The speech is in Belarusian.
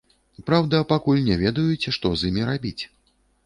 Праўда, пакуль не ведаюць, што з імі рабіць.